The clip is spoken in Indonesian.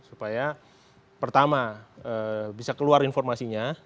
supaya pertama bisa keluar informasinya